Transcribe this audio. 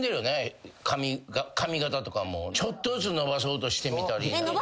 ちょっとずつ伸ばそうとしてみたり。